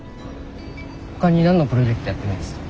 ほかに何のプロジェクトやってるんですか？